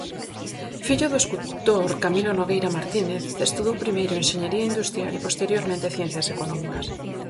Fillo do escultor Camilo Nogueira Martínez, estudou primeiro Enxeñería Industrial e, posteriormente, Ciencias Económicas.